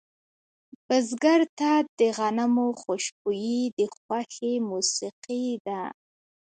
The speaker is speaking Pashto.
بزګر ته د غنمو خوشبويي د خوښې موسیقي ده